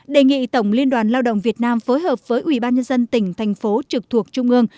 năm đề nghị tổng liên đoàn lao động việt nam phối hợp với ubnd tỉnh thành phố trực thuộc trung ương